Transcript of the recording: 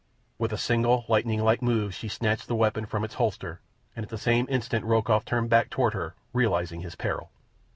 With a single, lightning like move she snatched the weapon from its holster, and at the same instant Rokoff turned back toward her, realizing his peril.